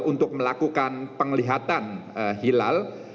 untuk melakukan penglihatan hilal